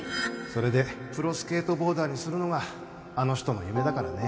それでプロスケートボーダーにするのがあの人の夢だからね